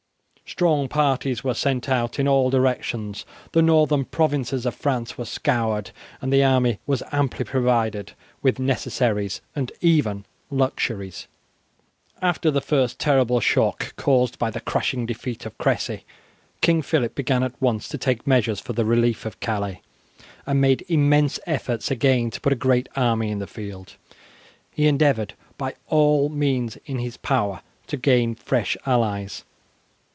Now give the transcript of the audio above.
Strong parties were sent out in all directions. The northern provinces of France were scoured, and the army was amply provided with necessaries and even luxuries. After the first terrible shock caused by the crushing defeat of Cressy, King Phillip began at once to take measures for the relief of Calais, and made immense efforts again to put a great army in the field. He endeavoured by all means in his power to gain fresh allies.